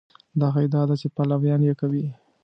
دا هغه ادعا ده چې پلویان یې کوي.